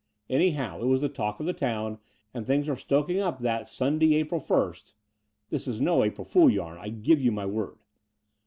Anyhow, it was the talk of the town, and things were stoking up that Stmday, April i (this is no April fool yam, I give you my word!)